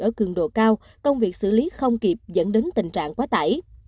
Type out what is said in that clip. ở cường độ cao công việc xử lý không kịp dẫn đến tình trạng quá tải